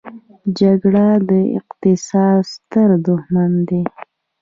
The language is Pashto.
جګړه د اقتصاد ستر دښمن دی.